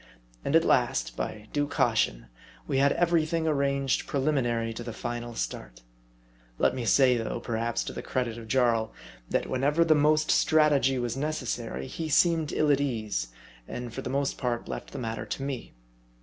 And at last, by due caution, we had every thing arranged preliminary to the final start. Let me say, though, perhaps to the credit of Jarl, that whenever the most strategy was necessary, he seemed ill at ease, and for the most part left the matter to me.